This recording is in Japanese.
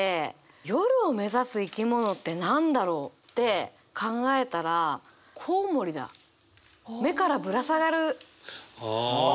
「夜を目指す生きもの」って何だろう？って考えたら目からぶら下がる。